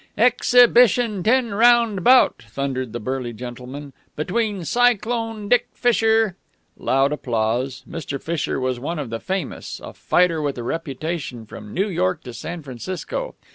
"Ex hib it i on ten round bout," thundered the burly gentleman, "between Cyclone Dick Fisher " Loud applause. Mr. Fisher was one of the famous, a fighter with a reputation from New York to San Francisco.